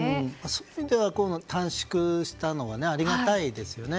そういう意味では短縮したのはありがたいですよね。